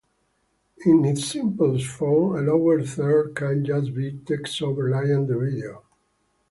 In its simplest form, a lower third can just be text overlying the video.